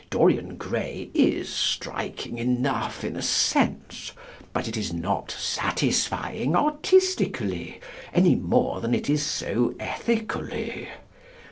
"Dorian Gray" is striking enough, in a sense, but it is not "satisfying" artistically, any more than it is so ethically.